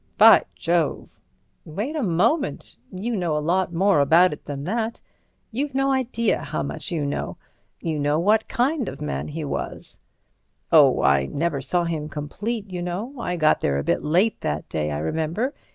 "By Jove!" "Wait a moment. You know a lot more about it than that. You've no idea how much you know. You know what kind of man he was." "Oh, I never saw him complete, you know. I got there a bit late that day, I remember.